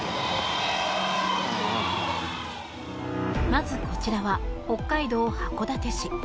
まずこちらは北海道函館市。